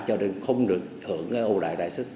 cho nên không được thưởng ưu đại đại sức